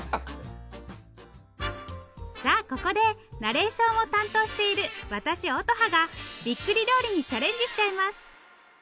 さあここでナレーションを担当している私乙葉がびっくり料理にチャレンジしちゃいます！